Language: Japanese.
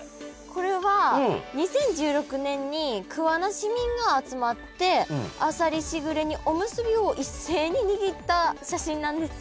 これは２０１６年に桑名市民が集まってあさりしぐれ煮おむすびを一斉ににぎった写真なんです。